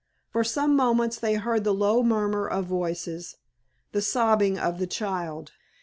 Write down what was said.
For some moments they heard the low murmur of voices, the sobbing of the child.